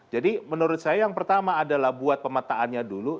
jadi menurut saya yang pertama adalah buat pemetaannya dulu